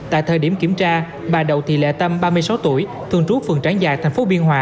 tại thời điểm kiểm tra bà đậu thị lệ tâm ba mươi sáu tuổi thường trú phường tráng dài tp biên hòa